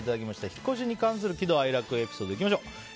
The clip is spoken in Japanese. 引っ越しに関する喜怒哀楽エピソードいきましょう。